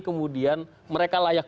kemudian mereka layak